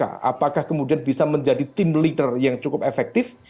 apakah kemudian bisa menjadi tim leader yang cukup efektif